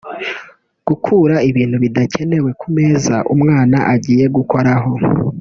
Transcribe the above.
Gukura ibintu bidakenewe ku meza umwana agiye gukoreraho